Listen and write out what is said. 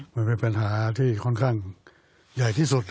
มันเป็นปัญหาที่ค่อนข้างใหญ่ที่สุด